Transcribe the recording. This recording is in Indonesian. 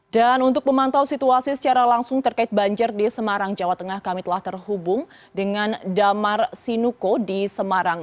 dan untuk memantau situasi secara langsung terkait banjir di semarang jawa tengah kami telah terhubung dengan damar sinuko di semarang